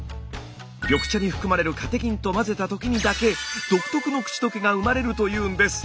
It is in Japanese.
緑茶に含まれるカテキンと混ぜたときにだけ独特の口溶けが生まれるというんです。